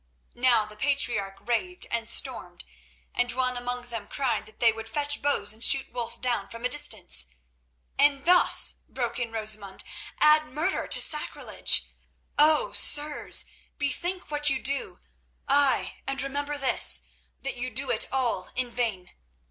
Now the patriarch raved and stormed, and one among them cried that they would fetch bows and shoot Wulf down from a distance. "And thus," broke in Rosamund, "add murder to sacrilege! Oh! sirs, bethink what you do—ay, and remember this, that you do it all in vain.